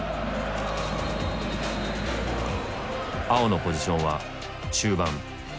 碧のポジションは中盤。